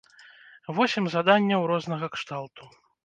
Восем заданняў рознага кшталту.